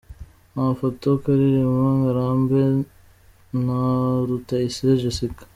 Amafoto: Karirima Ngarambe & Rutayisire Jessica.